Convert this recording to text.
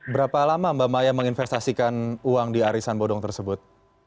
berapa lama mbak maya menginvestasikan uang di arisan bodong tersebut